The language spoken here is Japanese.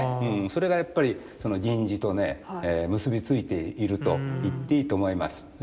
それがやっぱり銀地とね結び付いているといっていいと思います。